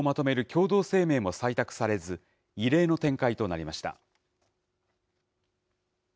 共同声明も採択されず、異例の展開となりました。